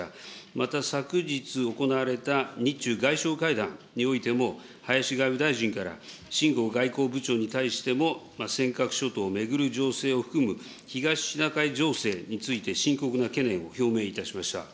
また、昨日行われた日中外相会談においても、林外務大臣から秦剛外交部長に対しても、尖閣諸島を巡る情勢を含む東シナ海情勢について深刻な懸念を表明いたしました。